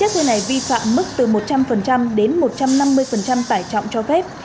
xe này vi phạm mức từ một trăm linh đến một trăm năm mươi tải trọng cho phép